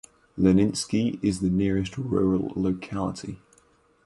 Leninsky is the nearest rural locality.